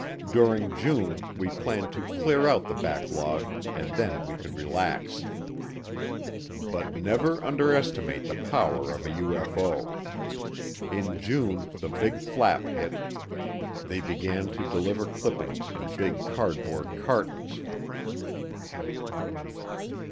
During June we planned to clear out the backlog, and then we could relax. But never underestimate the power of a UFO. In June the big flap hit they began to deliver clippings in big cardboard cartons.